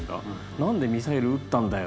「何でミサイル撃ったんだよ」